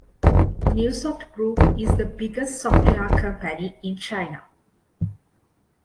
Neusoft Group is the biggest software company in China.